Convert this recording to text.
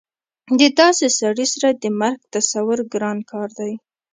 د داسې سړي سره د مرګ تصور ګران کار دی